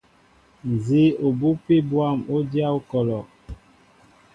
Nzi obupi bwȃm, o dya okɔlɔ.